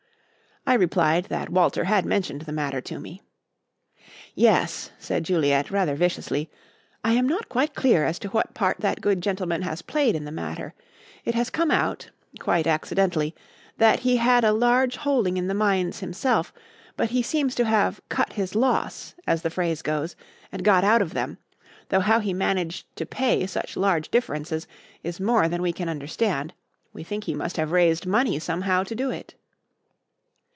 I replied that Walter had mentioned the matter to me. "Yes," said Juliet rather viciously; "I am not quite clear as to what part that good gentleman has played in the matter. It has come out, quite accidentally, that he had a large holding in the mines himself, but he seems to have 'cut his loss,' as the phrase goes, and got out of them; though how he managed to pay such large differences is more than we can understand. We think he must have raised money somehow to do it."